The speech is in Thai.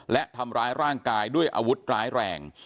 และทำร้ายร่างกายด้วยอาวุธร้ายแรง